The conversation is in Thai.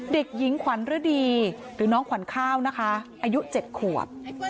เด็กหญิงขวัญฤดีหรือน้องขวัญข้าวนะคะอายุ๗ขวบ